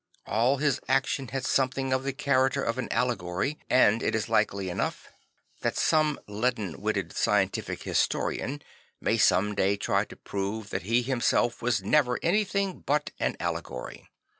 All his action had something of the character of an allegory; and it is likely enough that some leaden witted scientific historian may some day try to prove that he himself was never anything but an allegory.